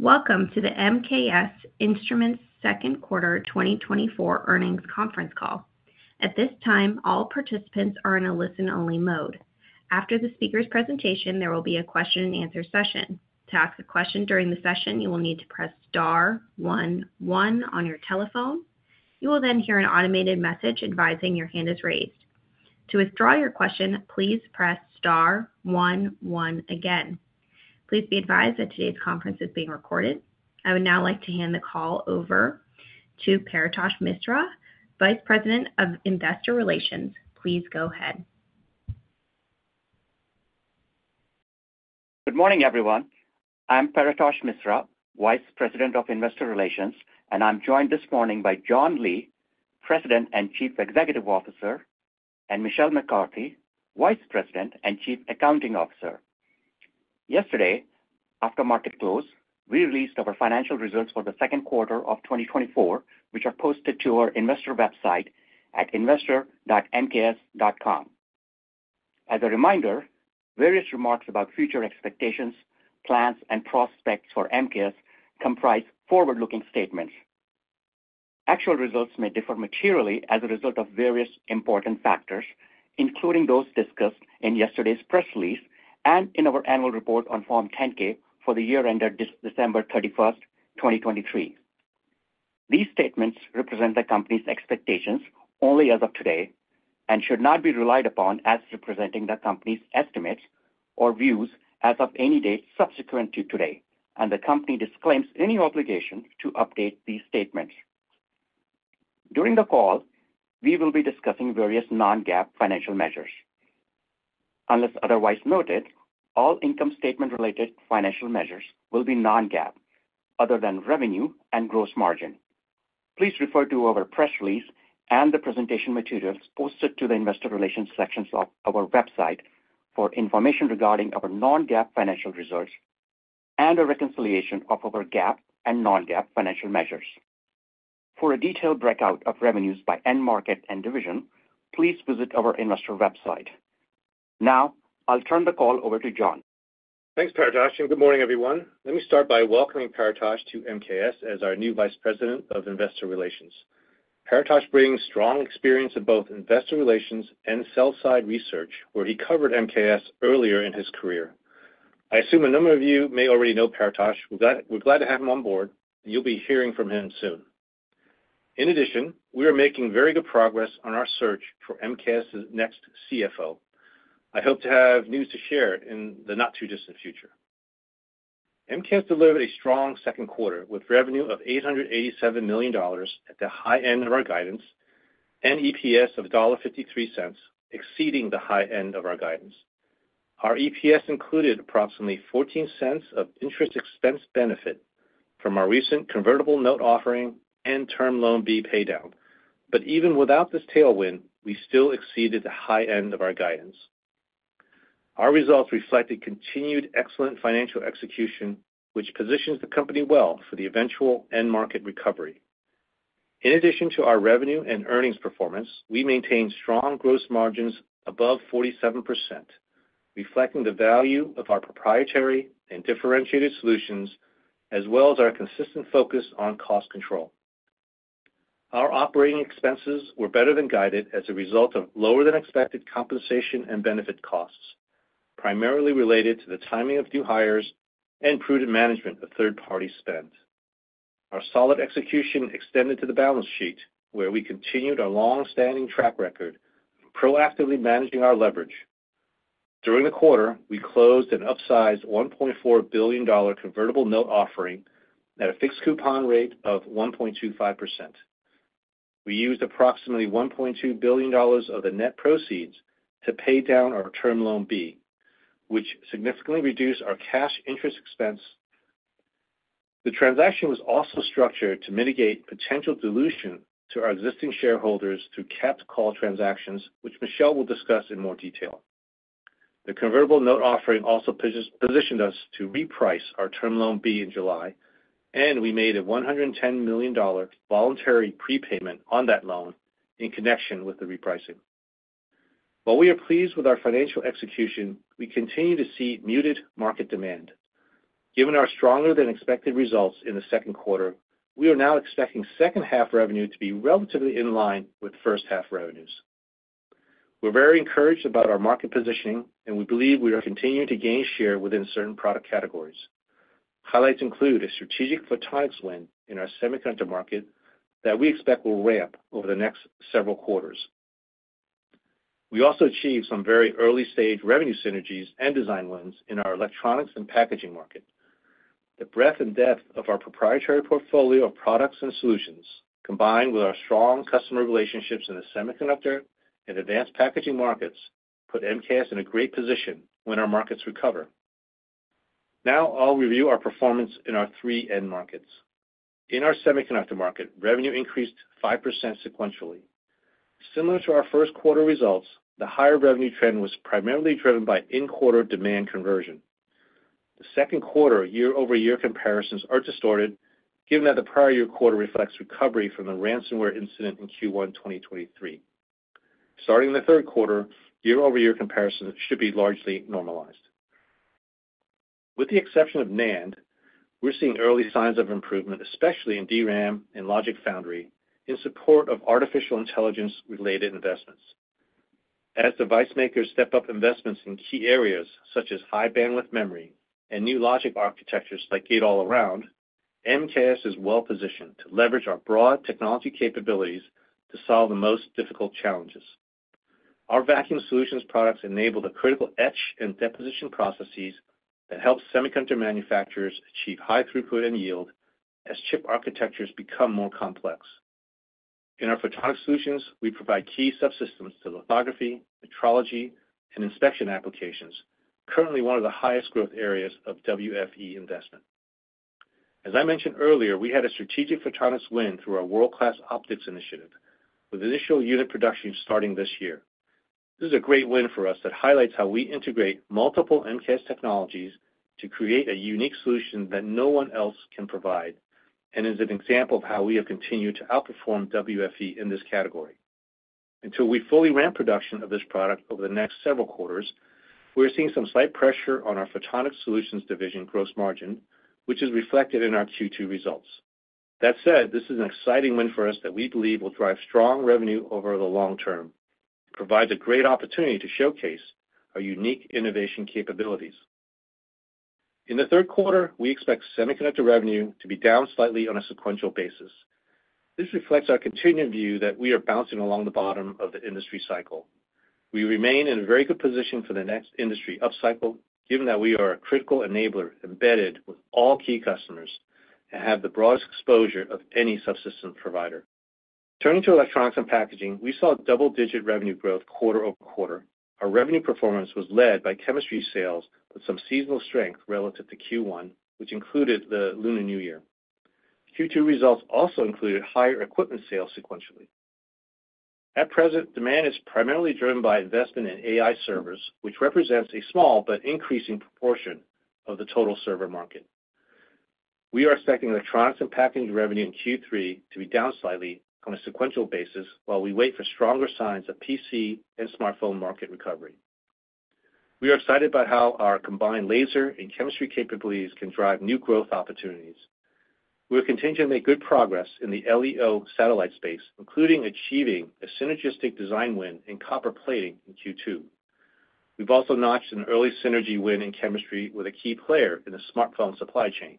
Welcome to the MKS Instruments Second Quarter 2024 Earnings Conference Call. At this time, all participants are in a listen-only mode. After the speaker's presentation, there will be a question-and-answer session. To ask a question during the session, you will need to press star one one on your telephone. You will then hear an automated message advising your hand is raised. To withdraw your question, please press star one one again. Please be advised that today's conference is being recorded. I would now like to hand the call over to Paretosh Misra, Vice President of Investor Relations. Please go ahead. Good morning, everyone. I'm Paretosh Misra, Vice President of Investor Relations, and I'm joined this morning by John Lee, President and Chief Executive Officer, and Michelle McCarthy, Vice President and Chief Accounting Officer. Yesterday, after market close, we released our financial results for the second quarter of 2024, which are posted to our investor website at investor.mks.com. As a reminder, various remarks about future expectations, plans, and prospects for MKS comprise forward-looking statements. Actual results may differ materially as a result of various important factors, including those discussed in yesterday's press release and in our annual report on Form 10-K for the year ended December 31, 2023. These statements represent the company's expectations only as of today and should not be relied upon as representing the company's estimates or views as of any date subsequent to today, and the company disclaims any obligation to update these statements. During the call, we will be discussing various non-GAAP financial measures. Unless otherwise noted, all income statement-related financial measures will be non-GAAP, other than revenue and gross margin. Please refer to our press release and the presentation materials posted to the investor relations sections of our website for information regarding our non-GAAP financial results and a reconciliation of our GAAP and non-GAAP financial measures. For a detailed breakout of revenues by end market and division, please visit our investor website. Now, I'll turn the call over to John. Thanks, Paretosh, and good morning, everyone. Let me start by welcoming Paretosh to MKS as our new Vice President of Investor Relations. Paretosh brings strong experience in both investor relations and sell side research, where he covered MKS earlier in his career. I assume a number of you may already know Paretosh. We're glad, we're glad to have him on board. You'll be hearing from him soon. In addition, we are making very good progress on our search for MKS's next CFO. I hope to have news to share in the not-too-distant future. MKS delivered a strong second quarter, with revenue of $887 million at the high end of our guidance and EPS of $1.53, exceeding the high end of our guidance. Our EPS included approximately 14 cents of interest expense benefit from our recent convertible note offering and Term Loan B paydown. But even without this tailwind, we still exceeded the high end of our guidance. Our results reflect a continued excellent financial execution, which positions the company well for the eventual end-market recovery. In addition to our revenue and earnings performance, we maintained strong gross margins above 47%, reflecting the value of our proprietary and differentiated solutions, as well as our consistent focus on cost control. Our operating expenses were better than guided as a result of lower-than-expected compensation and benefit costs, primarily related to the timing of new hires and prudent management of third-party spend. Our solid execution extended to the balance sheet, where we continued our long-standing track record, proactively managing our leverage. During the quarter, we closed an upsized $1.4 billion convertible note offering at a fixed coupon rate of 1.25%. We used approximately $1.2 billion of the net proceeds to pay down our Term Loan B, which significantly reduced our cash interest expense. The transaction was also structured to mitigate potential dilution to our existing shareholders through capped call transactions, which Michelle will discuss in more detail. The convertible note offering also positioned us to reprice our Term Loan B in July, and we made a $110 million voluntary prepayment on that loan in connection with the repricing. While we are pleased with our financial execution, we continue to see muted market demand. Given our stronger-than-expected results in the second quarter, we are now expecting second half revenue to be relatively in line with first half revenues. We're very encouraged about our market positioning, and we believe we are continuing to gain share within certain product categories. Highlights include a strategic photonics win in our semiconductor market that we expect will ramp over the next several quarters. We also achieved some very early-stage revenue synergies and design wins in our electronics and packaging market. The breadth and depth of our proprietary portfolio of products and solutions, combined with our strong customer relationships in the semiconductor and advanced packaging markets, put MKS in a great position when our markets recover. Now I'll review our performance in our three end markets. In our semiconductor market, revenue increased 5% sequentially. Similar to our first quarter results, the higher revenue trend was primarily driven by in-quarter demand conversion. The second quarter year-over-year comparisons are distorted, given that the prior year quarter reflects recovery from the ransomware incident in Q1 2023. Starting in the third quarter, year-over-year comparison should be largely normalized. With the exception of NAND, we're seeing early signs of improvement, especially in DRAM and logic foundry, in support of artificial intelligence-related investments. As device makers step up investments in key areas, such as high-bandwidth memory and new logic architectures like Gate-All-Around, MKS is well positioned to leverage our broad technology capabilities to solve the most difficult challenges. Our Vacuum Solutions products enable the critical etch and deposition processes that help semiconductor manufacturers achieve high throughput and yield as chip architectures become more complex. In our Photonics Solutions, we provide key subsystems to lithography, metrology, and inspection applications, currently one of the highest growth areas of WFE investment. As I mentioned earlier, we had a strategic photonics win through our World-class optics initiative, with initial unit production starting this year. This is a great win for us that highlights how we integrate multiple MKS technologies to create a unique solution that no one else can provide, and is an example of how we have continued to outperform WFE in this category. Until we fully ramp production of this product over the next several quarters, we are seeing some slight pressure on our Photonics Solutions division gross margin, which is reflected in our Q2 results. That said, this is an exciting win for us that we believe will drive strong revenue over the long term, provides a great opportunity to showcase our unique innovation capabilities. In the third quarter, we expect semiconductor revenue to be down slightly on a sequential basis. This reflects our continuing view that we are bouncing along the bottom of the industry cycle. We remain in very good position for the next industry upcycle, given that we are a critical enabler embedded with all key customers, and have the broadest exposure of any subsystem provider. Turning to electronics and packaging, we saw double-digit revenue growth quarter-over-quarter. Our revenue performance was led by chemistry sales with some seasonal strength relative to Q1, which included the Lunar New Year. Q2 results also included higher equipment sales sequentially. At present, demand is primarily driven by investment in AI servers, which represents a small but increasing proportion of the total server market. We are expecting electronics and packaging revenue in Q3 to be down slightly on a sequential basis, while we wait for stronger signs of PC and smartphone market recovery. We are excited by how our combined laser and chemistry capabilities can drive new growth opportunities. We are continuing to make good progress in the LEO satellite space, including achieving a synergistic design win in copper plating in Q2. We've also notched an early synergy win in chemistry with a key player in the smartphone supply chain.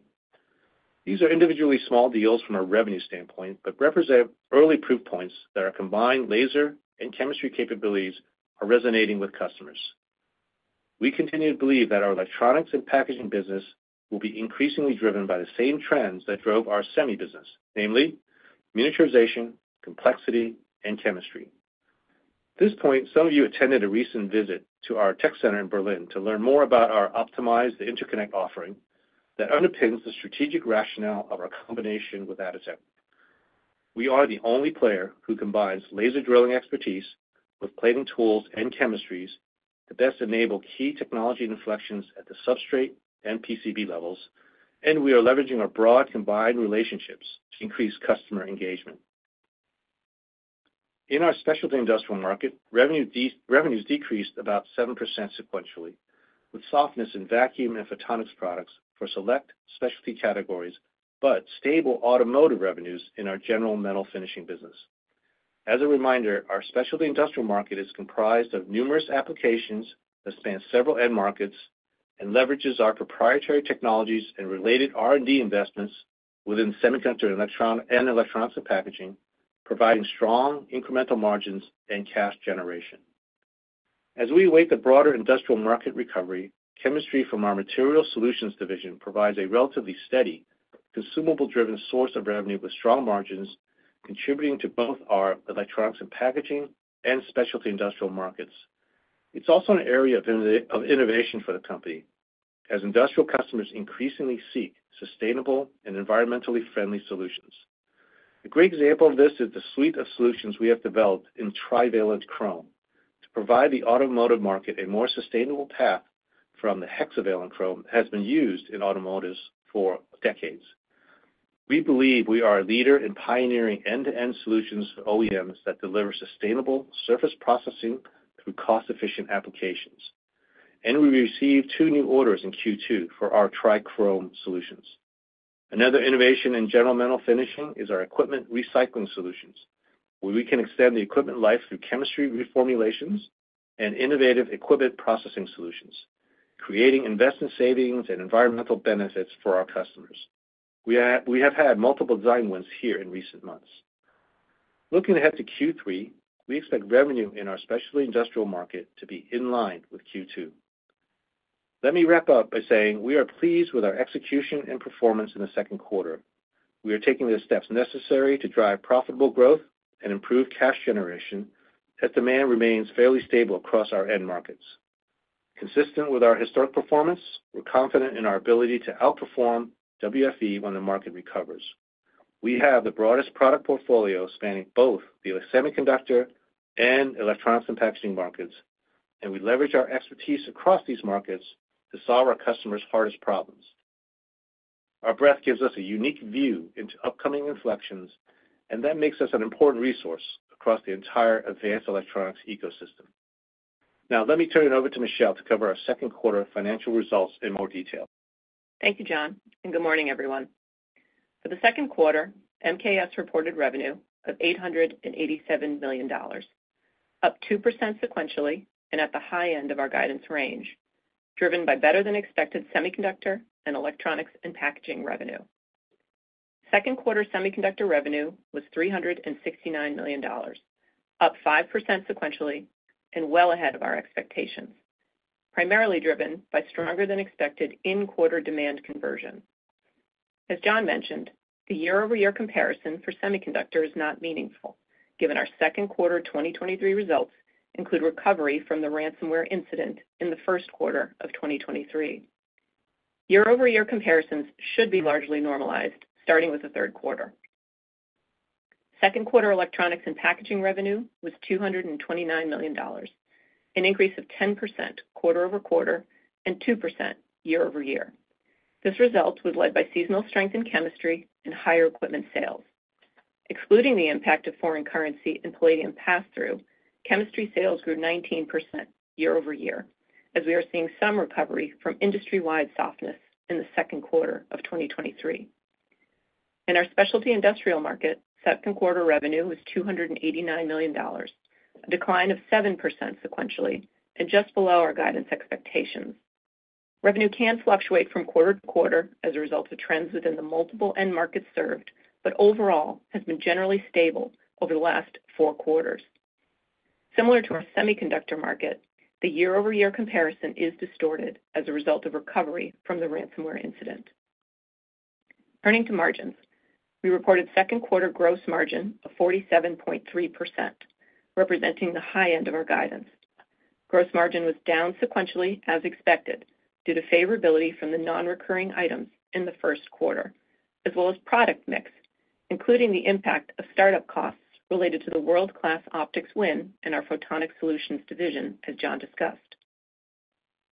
These are individually small deals from a revenue standpoint, but represent early proof points that our combined laser and chemistry capabilities are resonating with customers. We continue to believe that our electronics and packaging business will be increasingly driven by the same trends that drove our semi business, namely miniaturization, complexity, and chemistry. At this point, some of you attended a recent visit to our tech center in Berlin to learn more about our optimized interconnect offering that underpins the strategic rationale of our combination with Atotech. We are the only player who combines laser drilling expertise with plating tools and chemistries to best enable key technology inflections at the substrate and PCB levels, and we are leveraging our broad combined relationships to increase customer engagement. In our specialty industrial market, revenues decreased about 7% sequentially, with softness in vacuum and photonics products for select specialty categories, but stable automotive revenues in our general metal finishing business. As a reminder, our specialty industrial market is comprised of numerous applications that span several end markets, and leverages our proprietary technologies and related R&D investments within semiconductor, electron, and electronics and packaging, providing strong incremental margins and cash generation. As we await the broader industrial market recovery, chemistry from our Material Solutions division provides a relatively steady, consumable-driven source of revenue with strong margins, contributing to both our electronics and packaging and specialty industrial markets. It's also an area of innovation for the company, as industrial customers increasingly seek sustainable and environmentally friendly solutions. A great example of this is the suite of solutions we have developed in trivalent chrome to provide the automotive market a more sustainable path from the hexavalent chrome that has been used in automotives for decades. We believe we are a leader in pioneering end-to-end solutions for OEMs that deliver sustainable surface processing through cost-efficient applications. And we received two new orders in Q2 for our TriChrome solutions. Another innovation in general metal finishing is our equipment recycling solutions, where we can extend the equipment life through chemistry reformulations and innovative equipment processing solutions, creating investment savings and environmental benefits for our customers. We have had multiple design wins here in recent months. Looking ahead to Q3, we expect revenue in our specialty industrial market to be in line with Q2. Let me wrap up by saying we are pleased with our execution and performance in the second quarter. We are taking the steps necessary to drive profitable growth and improve cash generation as demand remains fairly stable across our end markets. Consistent with our historic performance, we're confident in our ability to outperform WFE when the market recovers. We have the broadest product portfolio spanning both the semiconductor and electronics and packaging markets, and we leverage our expertise across these markets to solve our customers' hardest problems.... Our breadth gives us a unique view into upcoming inflections, and that makes us an important resource across the entire advanced electronics ecosystem. Now, let me turn it over to Michelle to cover our second quarter financial results in more detail. Thank you, John, and good morning, everyone. For the second quarter, MKS reported revenue of $887 million, up 2% sequentially and at the high end of our guidance range, driven by better-than-expected Semiconductor and Electronics and Packaging revenue. Second quarter Semiconductor revenue was $369 million, up 5% sequentially and well ahead of our expectations, primarily driven by stronger-than-expected in-quarter demand conversion. As John mentioned, the year-over-year comparison for Semiconductor is not meaningful, given our second quarter 2023 results include recovery from the ransomware incident in the first quarter of 2023. Year-over-year comparisons should be largely normalized, starting with the third quarter. Second quarter Electronics and Packaging revenue was $229 million, an increase of 10% quarter-over-quarter and 2% year-over-year. This result was led by seasonal strength in chemistry and higher equipment sales. Excluding the impact of foreign currency and palladium pass-through, chemistry sales grew 19% year-over-year, as we are seeing some recovery from industry-wide softness in the second quarter of 2023. In our Specialty Industrial market, second quarter revenue was $289 million, a decline of 7% sequentially and just below our guidance expectations. Revenue can fluctuate from quarter to quarter as a result of trends within the multiple end markets served, but overall, has been generally stable over the last 4 quarters. Similar to our Semiconductor market, the year-over-year comparison is distorted as a result of recovery from the ransomware incident. Turning to margins, we reported second quarter gross margin of 47.3%, representing the high end of our guidance. Gross margin was down sequentially, as expected, due to favorability from the non-recurring items in the first quarter, as well as product mix, including the impact of startup costs related to the world-class optics win in our Photonics Solutions division, as John discussed.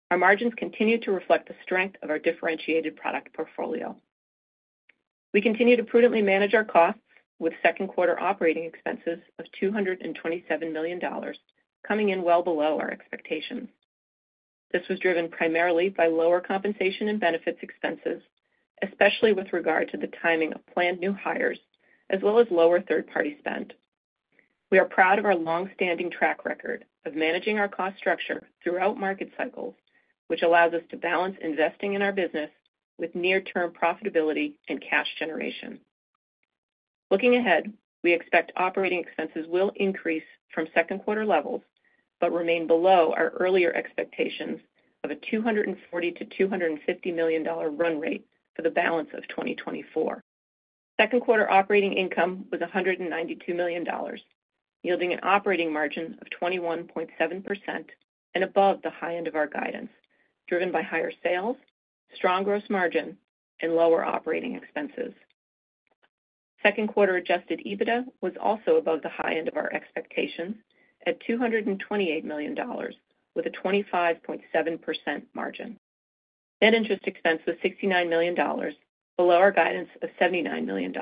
Our margins continue to reflect the strength of our differentiated product portfolio. We continue to prudently manage our costs with second quarter operating expenses of $227 million, coming in well below our expectations. This was driven primarily by lower compensation and benefits expenses, especially with regard to the timing of planned new hires, as well as lower third-party spend. We are proud of our long-standing track record of managing our cost structure throughout market cycles, which allows us to balance investing in our business with near-term profitability and cash generation. Looking ahead, we expect operating expenses will increase from second quarter levels, but remain below our earlier expectations of a $240 million-$250 million run rate for the balance of 2024. Second quarter operating income was $192 million, yielding an operating margin of 21.7% and above the high end of our guidance, driven by higher sales, strong gross margin, and lower operating expenses. Second quarter adjusted EBITDA was also above the high end of our expectations at $228 million, with a 25.7% margin. Net interest expense was $69 million, below our guidance of $79 million,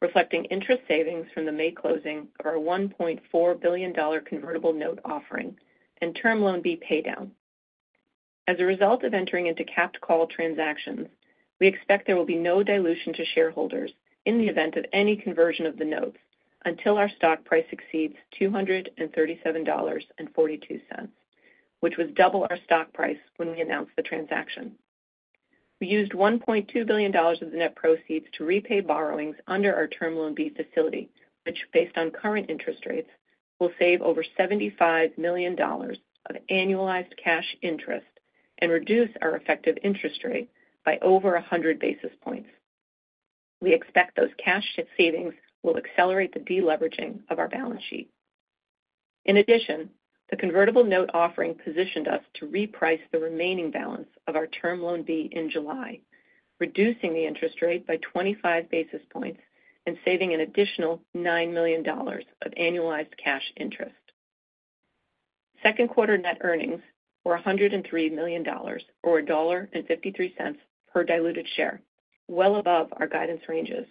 reflecting interest savings from the May closing of our $1.4 billion convertible note offering and Term Loan B paydown. As a result of entering into capped call transactions, we expect there will be no dilution to shareholders in the event of any conversion of the note, until our stock price exceeds $237.42, which was double our stock price when we announced the transaction. We used $1.2 billion of the net proceeds to repay borrowings under our Term Loan B facility, which, based on current interest rates, will save over $75 million of annualized cash interest and reduce our effective interest rate by over 100 basis points. We expect those cash savings will accelerate the deleveraging of our balance sheet. In addition, the convertible note offering positioned us to reprice the remaining balance of our Term Loan B in July, reducing the interest rate by 25 basis points and saving an additional $9 million of annualized cash interest. Second quarter net earnings were $103 million, or $1.53 per diluted share, well above our guidance ranges.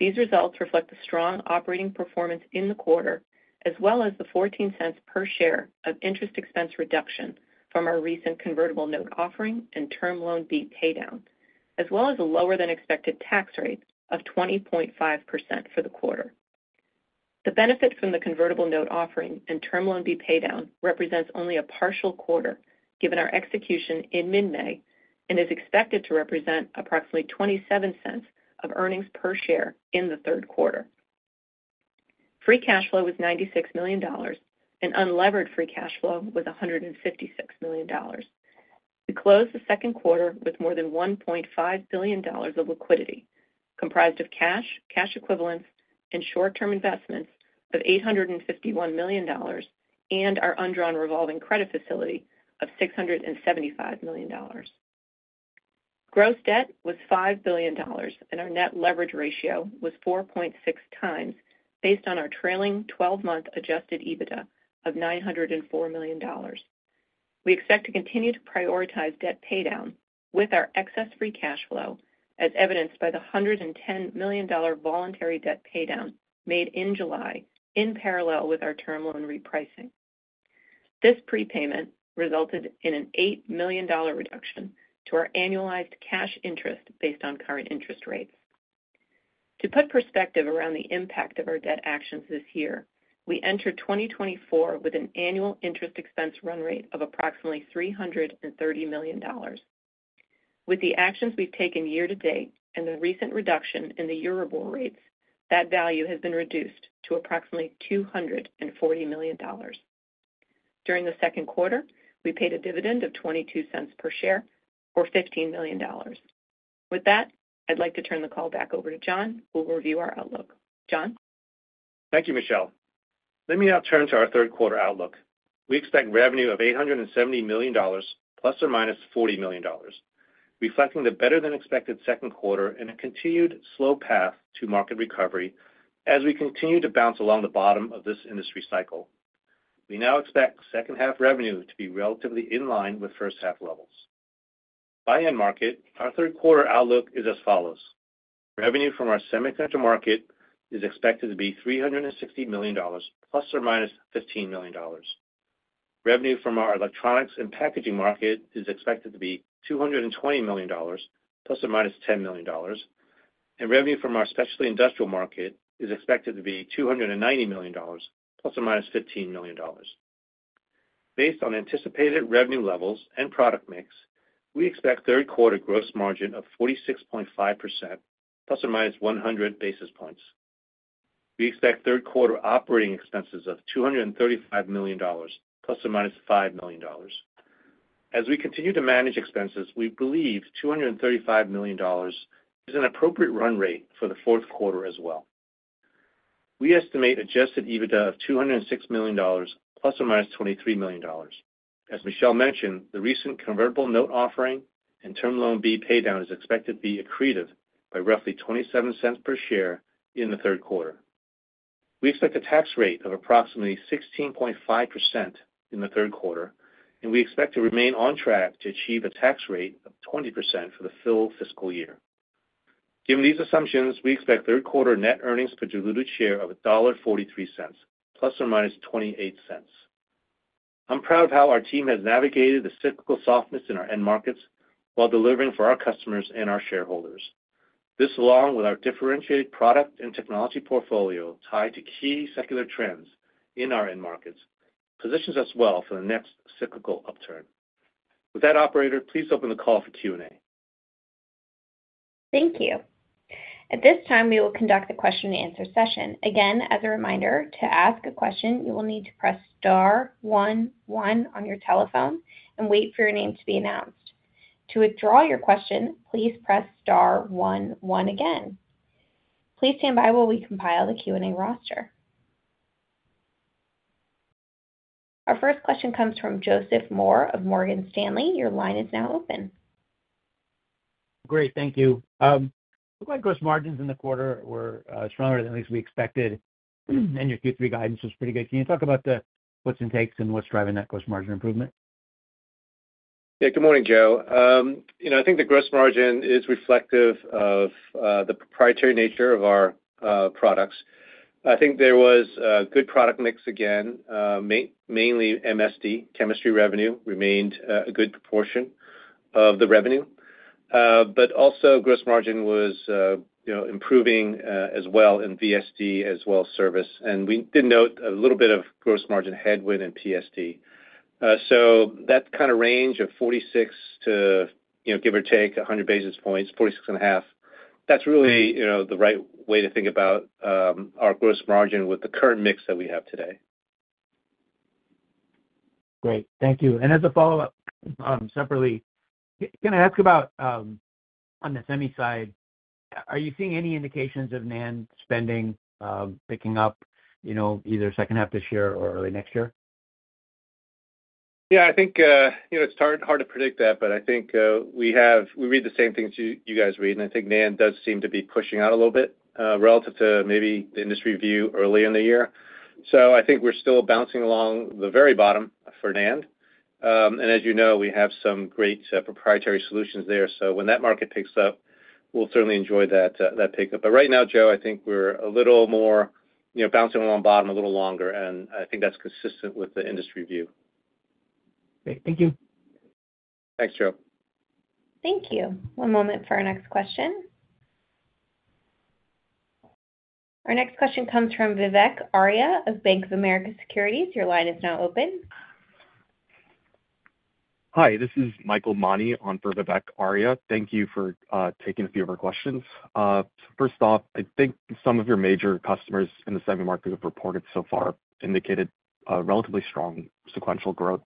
These results reflect the strong operating performance in the quarter, as well as the $0.14 per share of interest expense reduction from our recent convertible note offering and Term Loan B paydown, as well as a lower-than-expected tax rate of 20.5% for the quarter. The benefit from the convertible note offering and Term Loan B paydown represents only a partial quarter, given our execution in mid-May, and is expected to represent approximately $0.27 of earnings per share in the third quarter. Free cash flow was $96 million, and unlevered free cash flow was $156 million. We closed the second quarter with more than $1.5 billion of liquidity, comprised of cash, cash equivalents, and short-term investments of $851 million, and our undrawn revolving credit facility of $675 million. Gross debt was $5 billion, and our net leverage ratio was 4.6 times, based on our trailing twelve-month adjusted EBITDA of $904 million. We expect to continue to prioritize debt paydown with our excess free cash flow, as evidenced by the $110 million voluntary debt paydown made in July, in parallel with our term loan repricing. This prepayment resulted in an $8 million reduction to our annualized cash interest based on current interest rates. To put perspective around the impact of our debt actions this year, we entered 2024 with an annual interest expense run rate of approximately $330 million. With the actions we've taken year to date and the recent reduction in the Euribor rates, that value has been reduced to approximately $240 million. During the second quarter, we paid a dividend of 22 cents per share, or $15 million. With that, I'd like to turn the call back over to John, who will review our outlook. John? Thank you, Michelle. Let me now turn to our third quarter outlook. We expect revenue of $870 million, ±$40 million, reflecting the better-than-expected second quarter and a continued slow path to market recovery as we continue to bounce along the bottom of this industry cycle. We now expect second half revenue to be relatively in line with first half levels. By end market, our third quarter outlook is as follows: Revenue from our semiconductor market is expected to be $360 million, ±$15 million. Revenue from our electronics and packaging market is expected to be $220 million, ±$10 million, and revenue from our specialty industrial market is expected to be $290 million, ±$15 million. Based on anticipated revenue levels and product mix, we expect third quarter gross margin of 46.5%, ±100 basis points. We expect third quarter operating expenses of $235 million, ±$5 million. As we continue to manage expenses, we believe $235 million is an appropriate run rate for the fourth quarter as well. We estimate adjusted EBITDA of $206 million, ±$23 million. As Michelle mentioned, the recent convertible note offering and term loan B paydown is expected to be accretive by roughly $0.27 per share in the third quarter. We expect a tax rate of approximately 16.5% in the third quarter, and we expect to remain on track to achieve a tax rate of 20% for the full fiscal year. Given these assumptions, we expect third quarter net earnings per diluted share of $1.43 ± $0.28. I'm proud of how our team has navigated the cyclical softness in our end markets while delivering for our customers and our shareholders. This, along with our differentiated product and technology portfolio, tied to key secular trends in our end markets, positions us well for the next cyclical upturn. With that, operator, please open the call for Q&A. Thank you. At this time, we will conduct a question and answer session. Again, as a reminder, to ask a question, you will need to press star one one on your telephone and wait for your name to be announced. To withdraw your question, please press star one one again. Please stand by while we compile the Q&A roster. Our first question comes from Joseph Moore of Morgan Stanley. Your line is now open. Great, thank you. Looked like gross margins in the quarter were stronger than at least we expected, and your Q3 guidance was pretty good. Can you talk about the puts and takes and what's driving that gross margin improvement? Yeah, good morning, Joe. You know, I think the gross margin is reflective of the proprietary nature of our products. I think there was a good product mix again, mainly MSD. Chemistry revenue remained a good proportion of the revenue, but also gross margin was, you know, improving as well in VSD, as well as service. And we did note a little bit of gross margin headwind in PSD. So that kind of range of 46% to, you know, give or take 100 basis points, 46.5%, that's really, you know, the right way to think about our gross margin with the current mix that we have today. Great. Thank you. And as a follow-up, separately, can I ask about, on the semi side, are you seeing any indications of NAND spending, picking up, you know, either second half this year or early next year? Yeah, I think you know, it's hard to predict that, but I think we read the same things you guys read, and I think NAND does seem to be pushing out a little bit relative to maybe the industry view earlier in the year. So I think we're still bouncing along the very bottom for NAND. And as you know, we have some great proprietary solutions there, so when that market picks up, we'll certainly enjoy that pickup. But right now, Joe, I think we're a little more you know, bouncing along bottom a little longer, and I think that's consistent with the industry view. Great. Thank you. Thanks, Joe. Thank you. One moment for our next question. Our next question comes from Vivek Arya of Bank of America Securities. Your line is now open. Hi, this is Michael Mani on for Vivek Arya. Thank you for taking a few of our questions. First off, I think some of your major customers in the semi market have reported so far indicated a relatively strong sequential growth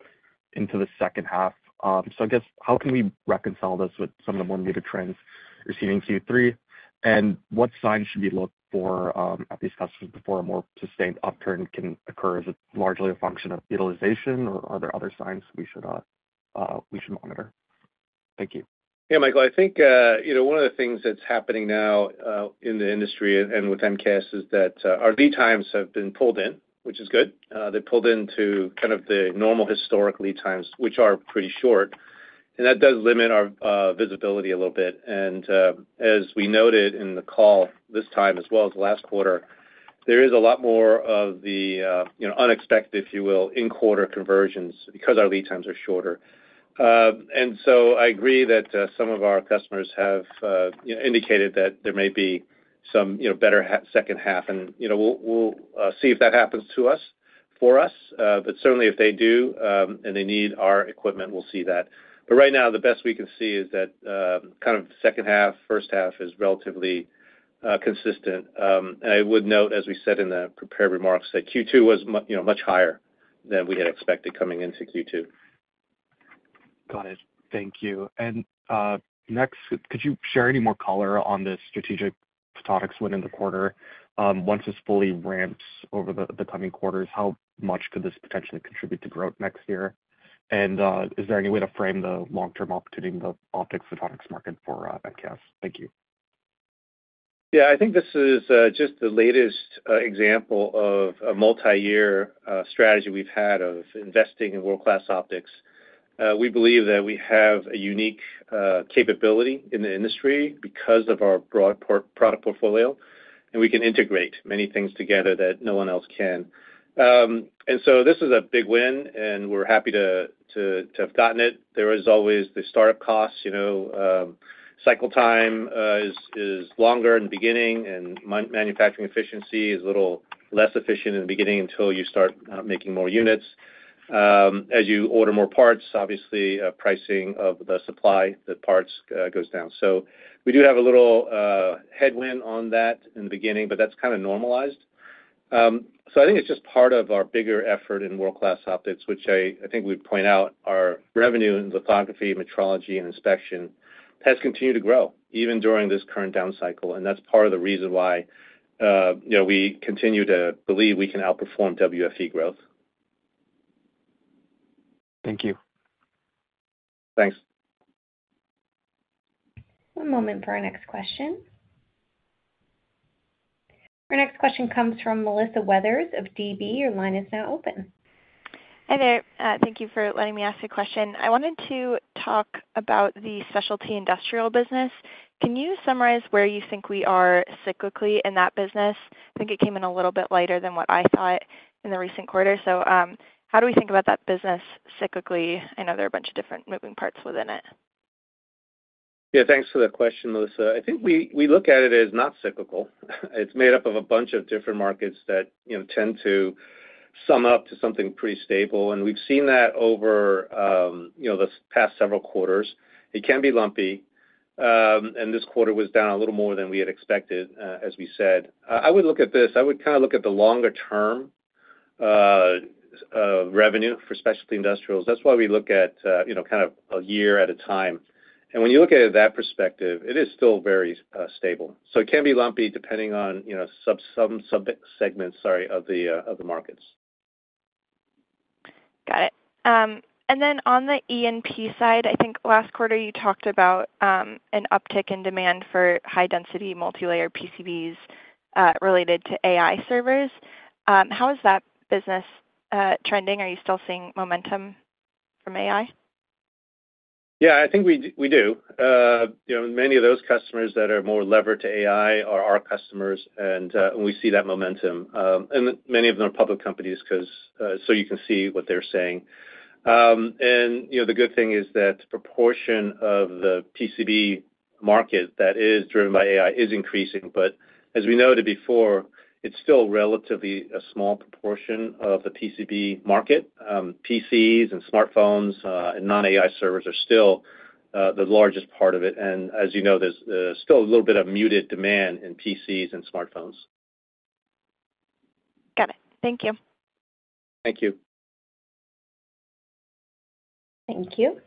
into the second half. So I guess how can we reconcile this with some of the more muted trends we're seeing in Q3? And what signs should we look for at these customers before a more sustained upturn can occur? Is it largely a function of utilization, or are there other signs we should monitor?... Thank you. Yeah, Michael, I think, you know, one of the things that's happening now in the industry and with MKS is that our lead times have been pulled in, which is good. They pulled into kind of the normal historical lead times, which are pretty short, and that does limit our visibility a little bit. And as we noted in the call this time as well as last quarter, there is a lot more of the, you know, unexpected, if you will, in-quarter conversions because our lead times are shorter. And so I agree that some of our customers have, you know, indicated that there may be some, you know, better second half, and, you know, we'll see if that happens to us, for us. But certainly, if they do, and they need our equipment, we'll see that. But right now, the best we can see is that, kind of second half, first half is relatively consistent. And I would note, as we said in the prepared remarks, that Q2 was you know, much higher than we had expected coming into Q2. Got it. Thank you. And next, could you share any more color on the strategic photonics win in the quarter? Once this fully ramps over the coming quarters, how much could this potentially contribute to growth next year? And is there any way to frame the long-term opportunity in the optics photonics market for MKS? Thank you. Yeah, I think this is just the latest example of a multiyear strategy we've had of investing in world-class optics. We believe that we have a unique capability in the industry because of our broad product portfolio, and we can integrate many things together that no one else can. And so this is a big win, and we're happy to have gotten it. There is always the startup costs, you know, cycle time is longer in the beginning, and manufacturing efficiency is a little less efficient in the beginning until you start making more units. As you order more parts, obviously, pricing of the supply, the parts, goes down. So we do have a little headwind on that in the beginning, but that's kind of normalized. So I think it's just part of our bigger effort in world-class optics, which I, I think we'd point out, our revenue in lithography, metrology, and inspection has continued to grow, even during this current down cycle, and that's part of the reason why, you know, we continue to believe we can outperform WFE growth. Thank you. Thanks. One moment for our next question. Our next question comes from Melissa Weathers of DB. Your line is now open. Hi there. Thank you for letting me ask a question. I wanted to talk about the specialty industrial business. Can you summarize where you think we are cyclically in that business? I think it came in a little bit lighter than what I thought in the recent quarter. So, how do we think about that business cyclically? I know there are a bunch of different moving parts within it. Yeah, thanks for that question, Melissa. I think we look at it as not cyclical. It's made up of a bunch of different markets that, you know, tend to sum up to something pretty stable, and we've seen that over, you know, the past several quarters. It can be lumpy, and this quarter was down a little more than we had expected, as we said. I would look at this, I would kind of look at the longer term revenue for specialty industrials. That's why we look at, you know, kind of a year at a time. And when you look at it at that perspective, it is still very stable. So it can be lumpy, depending on, you know, some segments, sorry, of the markets. Got it. And then on the E&P side, I think last quarter you talked about an uptick in demand for high-density multilayer PCBs related to AI servers. How is that business trending? Are you still seeing momentum from AI? Yeah, I think we do. You know, many of those customers that are more levered to AI are our customers, and we see that momentum. Many of them are public companies, 'cause so you can see what they're saying. You know, the good thing is that the proportion of the PCB market that is driven by AI is increasing, but as we noted before, it's still relatively a small proportion of the PCB market. PCs and smartphones and non-AI servers are still the largest part of it, and as you know, there's still a little bit of muted demand in PCs and smartphones. Got it. Thank you. Thank you. Thank you.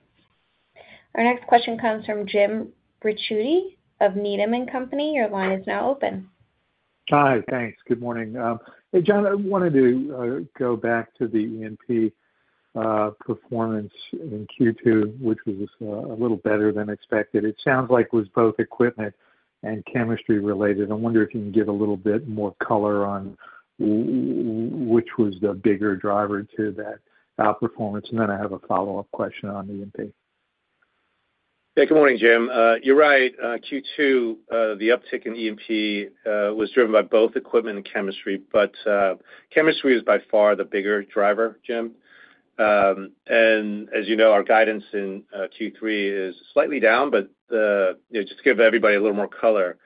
Our next question comes from Jim Ricchiuti of Needham & Company. Your line is now open. Hi, thanks. Good morning. Hey, John, I wanted to go back to the E&P performance in Q2, which was a little better than expected. It sounds like it was both equipment and chemistry related. I wonder if you can give a little bit more color on which was the bigger driver to that performance? And then I have a follow-up question on E&P. Yeah, good morning, Jim. You're right, Q2, the uptick in E&P was driven by both equipment and chemistry, but chemistry is by far the bigger driver, Jim. And as you know, our guidance in Q3 is slightly down, but you know, just to give everybody a little more color,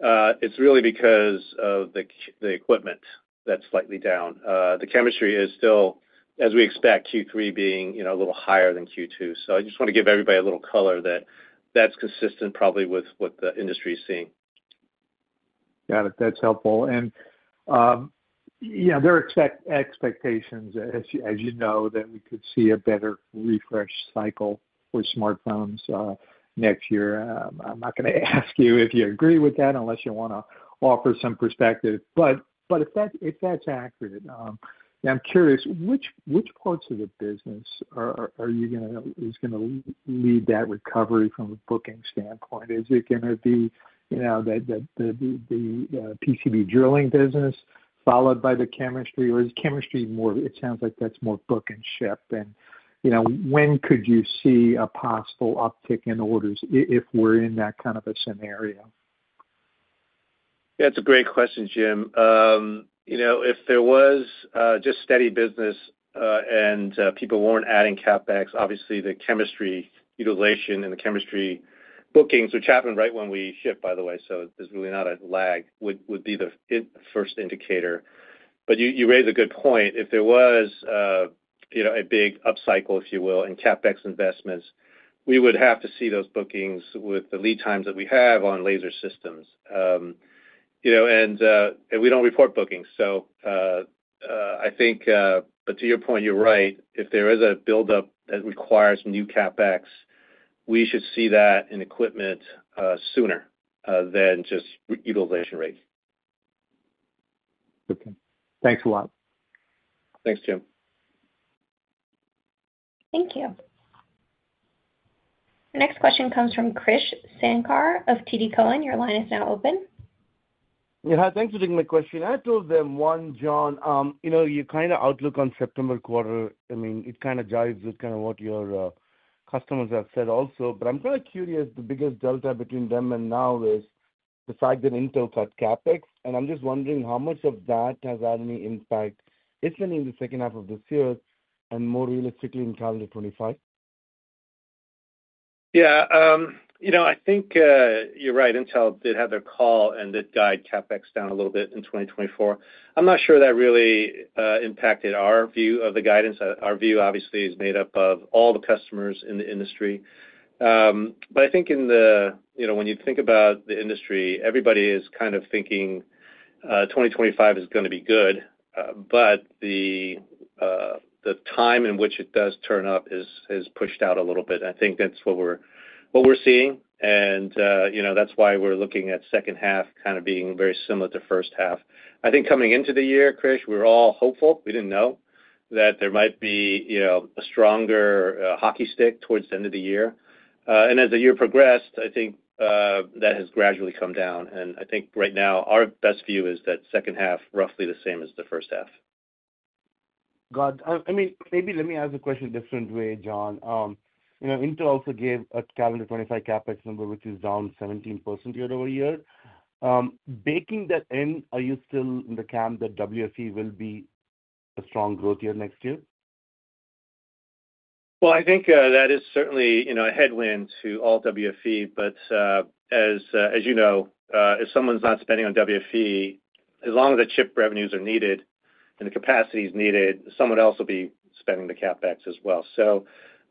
it's really because of the equipment that's slightly down. The chemistry is still, as we expect, Q3 being you know, a little higher than Q2. So I just want to give everybody a little color that that's consistent probably with what the industry is seeing. Got it. That's helpful.... Yeah, there are expectations, as you, as you know, that we could see a better refresh cycle for smartphones next year. I'm not gonna ask you if you agree with that, unless you wanna offer some perspective. But if that's accurate, I'm curious, which parts of the business are you gonna—is gonna lead that recovery from a booking standpoint? Is it gonna be, you know, the PCB drilling business, followed by the chemistry? Or is chemistry more—it sounds like that's more book and ship. And, you know, when could you see a possible uptick in orders if we're in that kind of a scenario? Yeah, it's a great question, Jim. You know, if there was just steady business and people weren't adding CapEx, obviously the chemistry utilization and the chemistry bookings, which happen right when we ship, by the way, so there's really not a lag, would be the first indicator. But you raise a good point. If there was, you know, a big upcycle, if you will, in CapEx investments, we would have to see those bookings with the lead times that we have on laser systems. You know, and we don't report bookings, so I think... But to your point, you're right. If there is a buildup that requires new CapEx, we should see that in equipment sooner than just reutilization rates. Okay. Thanks a lot. Thanks, Jim. Thank you. The next question comes from Krish Sankar of TD Cowen. Your line is now open. Yeah, hi. Thanks for taking my question. I told them, one, John, you know, your kind of outlook on September quarter, I mean, it kind of jibes with kind of what your customers have said also. But I'm kind of curious, the biggest delta between them and now is the fact that Intel cut CapEx, and I'm just wondering how much of that has had any impact, if any, in the second half of this year, and more realistically, in calendar 2025? Yeah, you know, I think, you're right. Intel did have their call, and it guided CapEx down a little bit in 2024. I'm not sure that really, impacted our view of the guidance. Our view obviously is made up of all the customers in the industry. But I think in the... You know, when you think about the industry, everybody is kind of thinking, 2025 is gonna be good, but the, the time in which it does turn up is, is pushed out a little bit. I think that's what we're, what we're seeing, and, you know, that's why we're looking at second half kind of being very similar to first half. I think coming into the year, Krish, we were all hopeful, we didn't know, that there might be, you know, a stronger, hockey stick towards the end of the year. And as the year progressed, I think, that has gradually come down, and I think right now, our best view is that second half, roughly the same as the first half. Got it. I mean, maybe let me ask the question a different way, John. You know, Intel also gave a calendar 2025 CapEx number, which is down 17% year-over-year. Baking that in, are you still in the camp that WFE will be a strong growth year next year? Well, I think that is certainly, you know, a headwind to all WFE. But as you know, if someone's not spending on WFE, as long as the chip revenues are needed and the capacity is needed, someone else will be spending the CapEx as well. So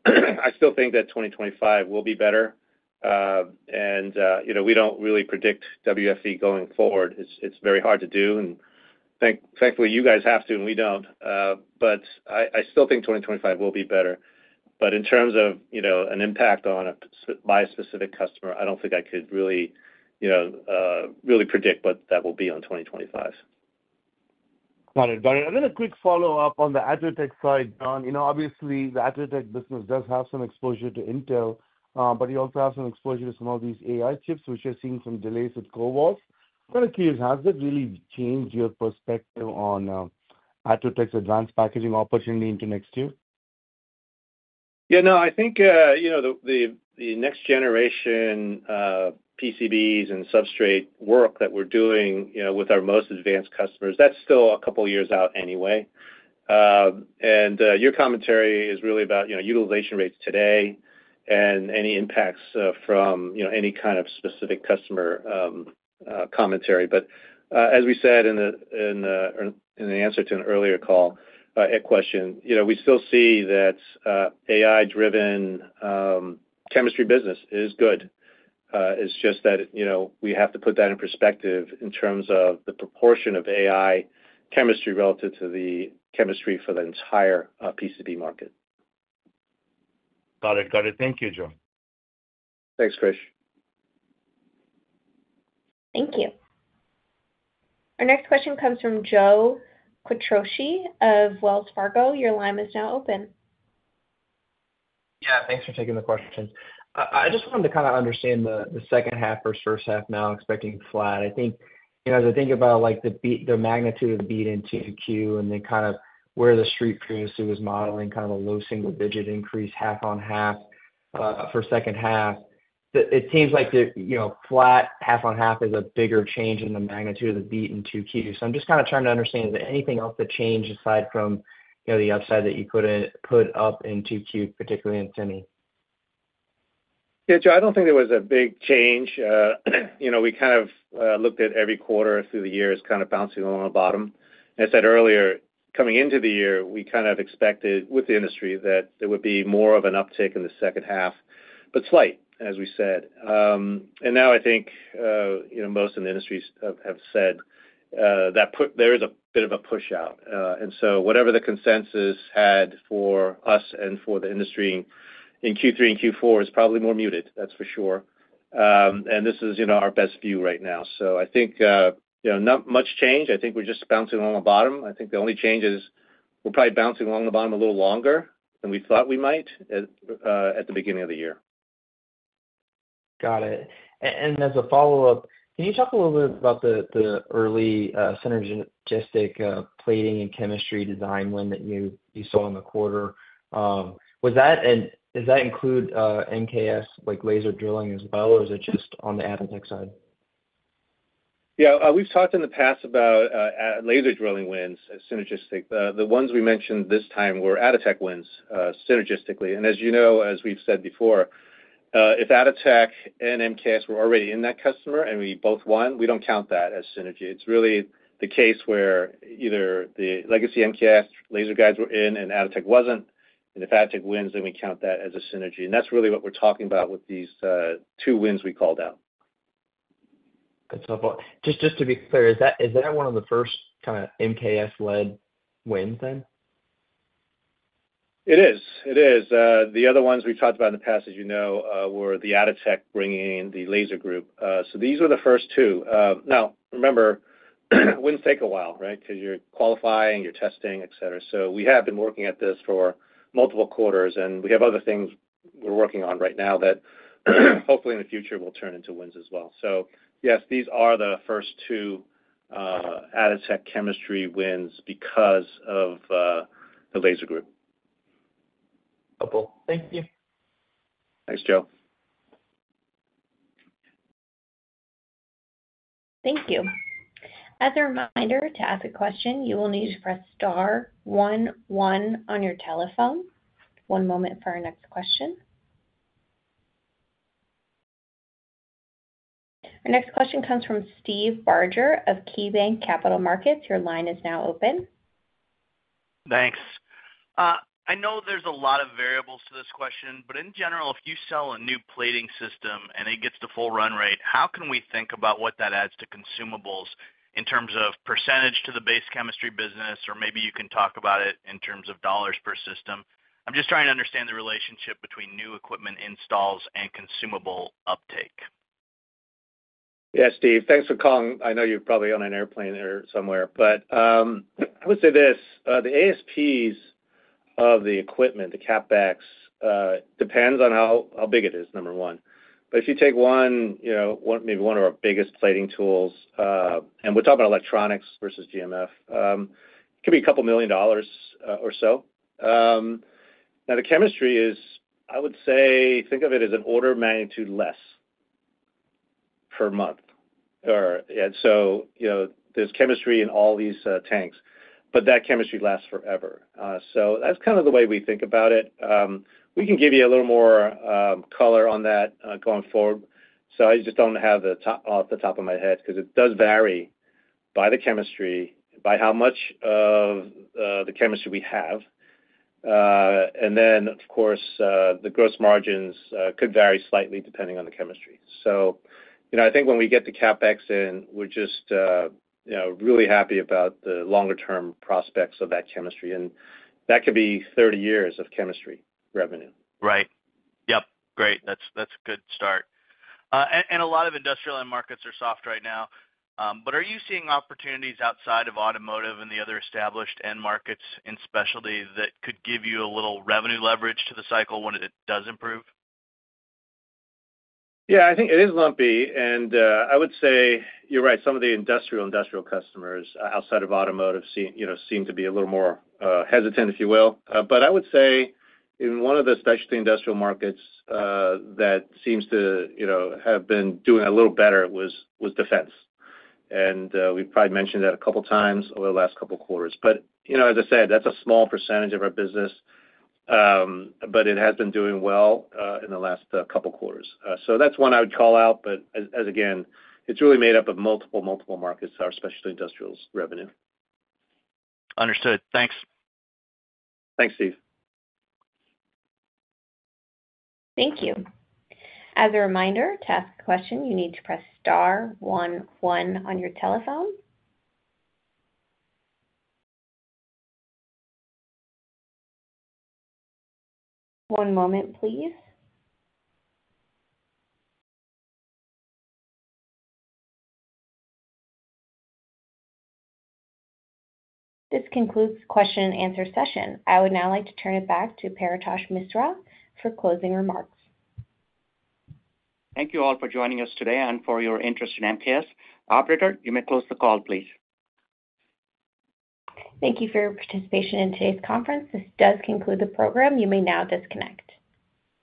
I still think that 2025 will be better. And you know, we don't really predict WFE going forward. It's very hard to do, and thankfully, you guys have to, and we don't. But I still think 2025 will be better. But in terms of, you know, an impact on a specific customer, I don't think I could really, you know, really predict what that will be on 2025. Got it. Got it. And then a quick follow-up on the Atotech side, John. You know, obviously, the Atotech business does have some exposure to Intel, but you also have some exposure to some of these AI chips, which are seeing some delays with CoWoS. I'm kind of curious, has that really changed your perspective on, Atotech's advanced packaging opportunity into next year? Yeah, no, I think you know, the next generation PCBs and substrate work that we're doing, you know, with our most advanced customers, that's still a couple of years out anyway. And your commentary is really about, you know, utilization rates today and any impacts from, you know, any kind of specific customer commentary. But as we said in the answer to an earlier call, a question, you know, we still see that AI-driven chemistry business is good. It's just that, you know, we have to put that in perspective in terms of the proportion of AI chemistry relative to the chemistry for the entire PCB market. Got it. Got it. Thank you, John. Thanks, Krish. Thank you. Our next question comes from Joe Quattrocchi of Wells Fargo. Your line is now open. Yeah, thanks for taking the question. I just wanted to kind of understand the second half versus first half, now expecting flat. I think, you know, as I think about, like, the beat, the magnitude of the beat in 2Q, and then kind of where the Street previously was modeling kind of a low single-digit increase, half on half, for second half, it seems like the, you know, flat half on half is a bigger change in the magnitude of the beat in 2Q. So I'm just kind of trying to understand, is there anything else that changed aside from, you know, the upside that you couldn't put up in 2Q, particularly in semi? Yeah, Joe, I don't think there was a big change. You know, we kind of looked at every quarter through the year as kind of bouncing along the bottom. As I said earlier, coming into the year, we kind of expected, with the industry, that there would be more of an uptick in the second half, but slight, as we said. And now I think, you know, most in the industries have said that there is a bit of a push-out. And so whatever the consensus had for us and for the industry in Q3 and Q4 is probably more muted, that's for sure. And this is, you know, our best view right now. So I think, you know, not much change. I think we're just bouncing along the bottom. I think the only change is we're probably bouncing along the bottom a little longer than we thought we might at the beginning of the year. Got it. And as a follow-up, can you talk a little bit about the early synergistic plating and chemistry design win that you saw in the quarter? Was that, and does that include MKS, like, laser drilling as well, or is it just on the Atotech side? Yeah, we've talked in the past about laser drilling wins as synergistic. The ones we mentioned this time were Atotech wins synergistically. And as you know, as we've said before, if Atotech and MKS were already in that customer, and we both won, we don't count that as synergy. It's really the case where either the legacy MKS laser guys were in and Atotech wasn't, and if Atotech wins, then we count that as a synergy. And that's really what we're talking about with these two wins we called out. That's helpful. Just to be clear, is that one of the first kind of MKS-led wins then? It is. It is. The other ones we've talked about in the past, as you know, were the Atotech bringing in the laser group. So these are the first two. Now, remember, wins take a while, right? Because you're qualifying, you're testing, et cetera. So we have been working at this for multiple quarters, and we have other things we're working on right now that hopefully, in the future, will turn into wins as well. So yes, these are the first two, Atotech chemistry wins because of the laser group. Helpful. Thank you. Thanks, Joe. Thank you. As a reminder, to ask a question, you will need to press star one one on your telephone. One moment for our next question. Our next question comes from Steve Barger of KeyBanc Capital Markets. Your line is now open. Thanks. I know there's a lot of variables to this question, but in general, if you sell a new plating system and it gets to full run rate, how can we think about what that adds to consumables in terms of percentage to the base chemistry business? Or maybe you can talk about it in terms of dollars per system. I'm just trying to understand the relationship between new equipment installs and consumable uptake. Yeah, Steve, thanks for calling. I know you're probably on an airplane or somewhere, but, I would say this, the ASPs of the equipment, the CapEx, depends on how, how big it is, number one. But if you take one, you know, one- maybe one of our biggest plating tools, and we're talking about electronics versus GMF, it could be $2 million, or so. Now, the chemistry is, I would say, think of it as an order of magnitude less per month. Or, and so, you know, there's chemistry in all these, tanks, but that chemistry lasts forever. So that's kind of the way we think about it. We can give you a little more, color on that, going forward. So I just don't have the top, off the top of my head, because it does vary by the chemistry, by how much of the chemistry we have. And then, of course, the gross margins could vary slightly depending on the chemistry. So, you know, I think when we get the CapEx in, we're just, you know, really happy about the longer term prospects of that chemistry, and that could be 30 years of chemistry revenue. Right. Yep, great. That's, that's a good start. And a lot of industrial end markets are soft right now, but are you seeing opportunities outside of automotive and the other established end markets in specialty that could give you a little revenue leverage to the cycle when it does improve? Yeah, I think it is lumpy, and I would say you're right. Some of the industrial, industrial customers outside of automotive seem, you know, seem to be a little more hesitant, if you will. But I would say in one of the specialty industrial markets that seems to, you know, have been doing a little better was defense. And we've probably mentioned that a couple times over the last couple quarters. But, you know, as I said, that's a small percentage of our business, but it has been doing well in the last couple quarters. So that's one I would call out, but as again, it's really made up of multiple, multiple markets, our specialty industrials revenue. Understood. Thanks. Thanks, Steve. Thank you. As a reminder, to ask a question, you need to press star one one on your telephone. One moment, please. This concludes the question and answer session. I would now like to turn it back to Paretosh Misra for closing remarks. Thank you all for joining us today and for your interest in MKS. Operator, you may close the call, please. Thank you for your participation in today's conference. This does conclude the program. You may now disconnect.